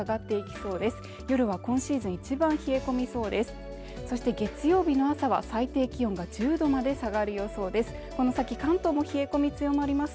そして月曜日の朝は最低気温が１０度まで下がる予想です